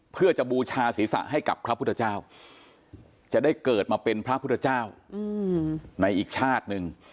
เพื่อจะบูชาศีรษะให้กับพระพุทธเจ้าจะได้เกิดมาเป็นพระพุทธเจ้าในอีกชาติหนึ่ง